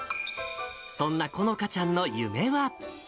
そんなこのかちゃんの夢は。